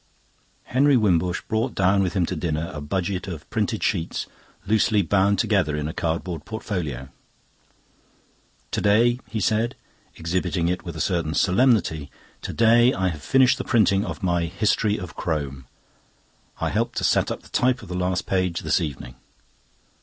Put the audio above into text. Henry Wimbush brought down with him to dinner a budget of printed sheets loosely bound together in a cardboard portfolio. "To day," he said, exhibiting it with a certain solemnity, "to day I have finished the printing of my 'History of Crome'. I helped to set up the type of the last page this evening."